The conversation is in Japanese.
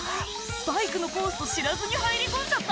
「バイクのコースと知らずに入り込んじゃった？」